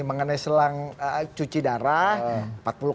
mengenai selang cuci darah